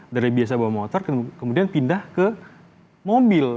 dari biasa bawa motor kemudian pindah ke mobil